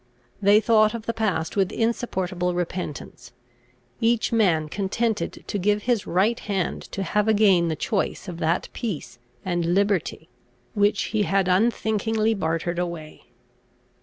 They thought of the past with insupportable repentance, each man contented to give his right hand to have again the choice of that peace and liberty, which he had unthinkingly bartered away.